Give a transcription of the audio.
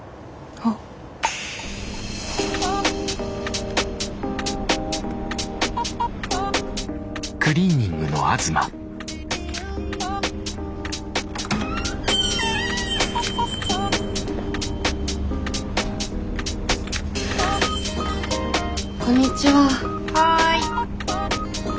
・はい。